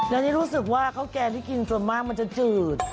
แล้วนี่รู้สึกว่าข้าวแกงที่กินส่วนมากมันจะจืด